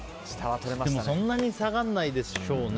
でも、そんなに下がらないでしょうね。